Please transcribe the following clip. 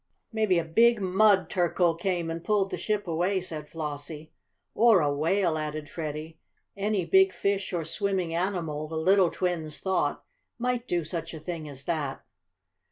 "Maybe a big mud turkle came and pulled the ship away," said Flossie. "Or a whale," added Freddie. Any big fish or swimming animal, the little twins thought, might do such a thing as that.